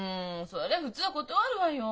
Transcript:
そりゃ普通は断るわよ。